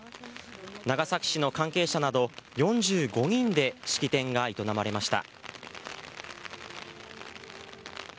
長崎市の関係者など４５人で式典が営まれました。